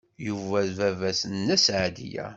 Yuba d baba-s n Nna Seɛdiya.